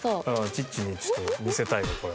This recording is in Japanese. ちっちにちょっと見せたいわこれ。